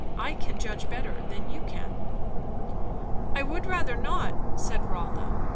I can judge better than you can." "I would rather not," said Rotha.